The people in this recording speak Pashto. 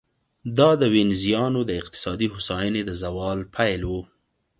دا د وینزیانو د اقتصادي هوساینې د زوال پیل و